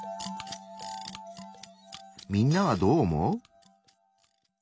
みんなはどう思う？